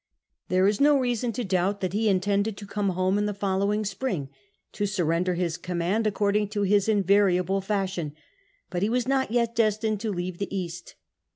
There is no reason to doubt that he intended to come home in the following spring to surrender his command, according to his invari able fashion : but he was not yet destined to leave the East.